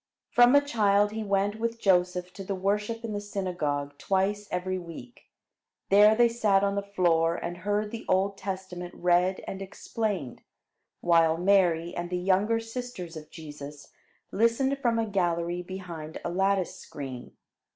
From a child he went with Joseph to the worship in the synagogue twice every week. There they sat on the floor and heard the Old Testament read and explained, while Mary and the younger sisters of Jesus listened from a gallery behind a lattice screen.